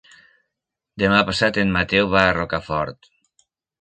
Demà passat en Mateu va a Rocafort.